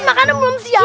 makannya belum siap